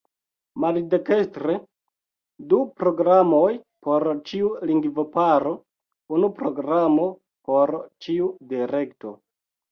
Maldekstre: Du programoj por ĉiu lingvo-paro, unu programo por ĉiu direkto.